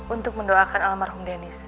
untuk mendoakan almarhum deniz